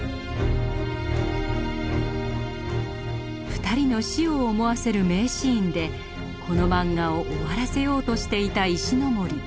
二人の死を思わせる名シーンでこのマンガを終わらせようとしていた石森。